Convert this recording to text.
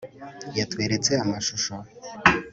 yatweretse amashusho